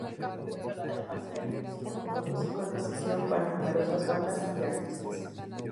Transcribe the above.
Además ha ejercido como músico de sesión para numerosas bandas y artistas.